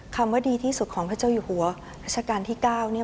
คำว่าดีที่สุดของพระเจ้าอยู่หัวรัชกาลที่๙เนี่ย